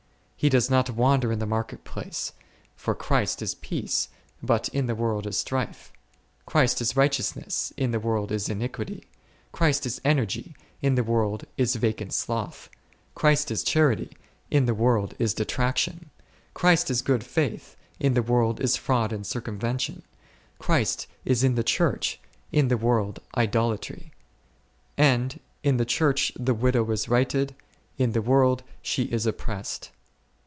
He does not wander in the market place, for Christ is peace, but in the world is strife ; Christ is righteous ness, in the world is iniquity ; Christ is energy, in the world is vacant sloth ; Christ is charity, in the world is detraction ; Christ is good faith, in the world is fraud and circumvention ; Christ is in the Church, in the world idolatry ; and in the Church the widow is righted, in the world she is oppressed.